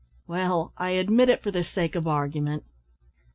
"Well, I admit it for the sake of argument."